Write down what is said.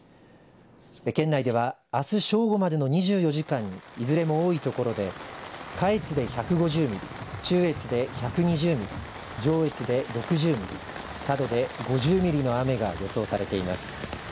県内ではあす正午までの２４時間にいずれも多い所で下越で１５０ミリ中越で１２０ミリ上越で６０ミリ佐渡で５０ミリの雨が予想されています。